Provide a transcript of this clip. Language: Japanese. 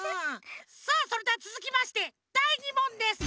さあそれではつづきましてだい２もんです。